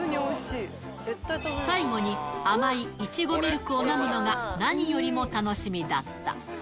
最後に甘いイチゴミルクを飲むのが、何よりも楽しみだった。